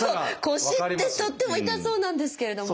腰ってとっても痛そうなんですけれども。